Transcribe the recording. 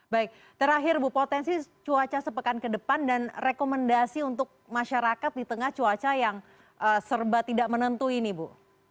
baik terakhir bu potensi cuaca sepekan ke depan dan rekomendasi untuk masyarakat di tengah cuaca yang serba tidak menentu ini bu